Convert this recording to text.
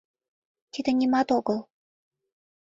— Тиде нимат огыл...